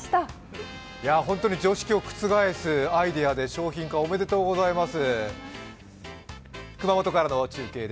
本当に常識を覆すアイデアで商品化おめでとうございます。